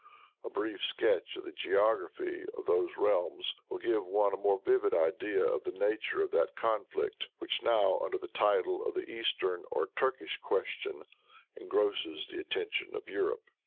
A brief sketch of the geography of those realms will give one a more vivid idea of the nature of that conflict, which now, under the title of the eastern or Turkish question, engrosses the attention of Europe.